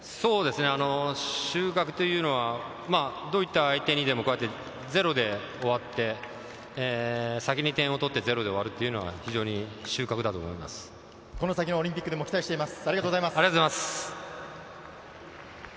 収穫というのは、どういった相手にでもゼロで終わって、先に点を取ってゼロで終わるというのは非常に収穫だと思います。